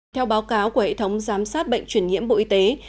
theo báo cáo của hệ thống giám sát bệnh truyền nhiễm bộ y tế